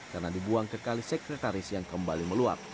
karena dibuang ke kali sekretaris yang kembali meluap